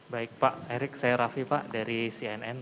baik pak erick saya raffi pak dari cnn